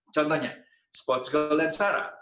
contohnya sports girl dan sarah